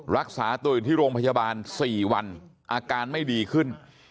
รักษาตัวอยู่ที่โรงพยาบาล๔วันอาการไม่ดีขึ้น